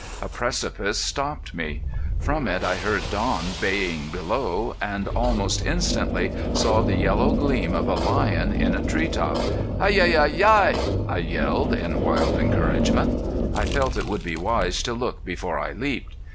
A precipice stopped me. From it I heard Don baying below, and almost instantly saw the yellow gleam of a lion in a tree top. "Hi! Hi! Hi! Hi! Hi!" I yelled in wild encouragement. I felt it would be wise to look before I leaped.